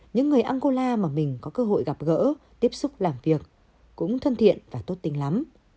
những người angola mà mình có cơ hội gặp gỡ tiếp xúc làm việc cũng thân thiện và tốt tình lắm